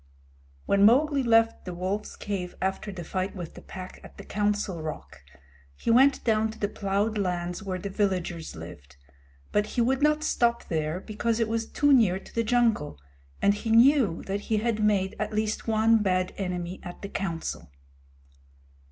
When Mowgli left the wolf's cave after the fight with the Pack at the Council Rock, he went down to the plowed lands where the villagers lived, but he would not stop there because it was too near to the jungle, and he knew that he had made at least one bad enemy at the Council.